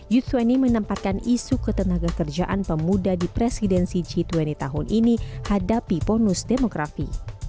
u dua puluh menempatkan isu ketenaga kerjaan pemuda di presidensi g dua puluh tahun ini hadapi bonus demografi